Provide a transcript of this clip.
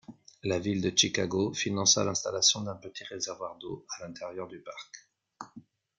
La ville de Chicago finança l'installation d'un petit réservoir d'eau à l'intérieur du parc.